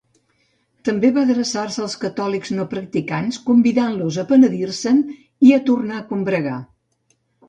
També va adreçar-se als catòlics no practicants, convidant-los a penedir-se'n i a tornar a combregar.